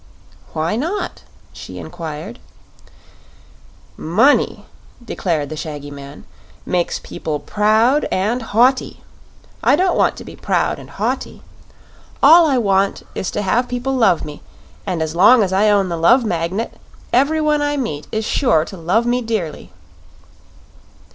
"Why not?" she inquired. "Money," declared the shaggy man, "makes people proud and haughty. I don't want to be proud and haughty. All I want is to have people love me; and as long as I own the Love Magnet, everyone I meet is sure to love me dearly."